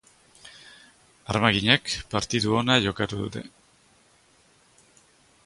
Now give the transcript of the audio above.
Armaginek partida ona jokatu dute.